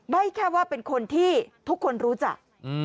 แค่ว่าเป็นคนที่ทุกคนรู้จัก